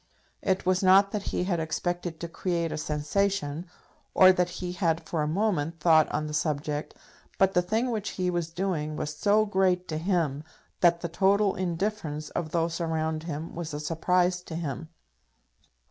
It was not that he had expected to create a sensation, or that he had for a moment thought on the subject, but the thing which he was doing was so great to him, that the total indifference of those around him was a surprise to him.